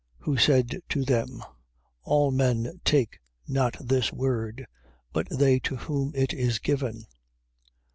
19:11. Who said to them: All men take not this word, but they to whom it is given.